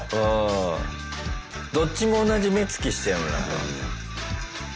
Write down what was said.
どっちも同じ目つきしてるな。